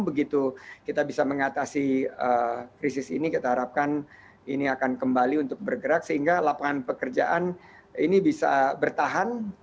begitu kita bisa mengatasi krisis ini kita harapkan ini akan kembali untuk bergerak sehingga lapangan pekerjaan ini bisa bertahan